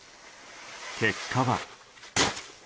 結果は。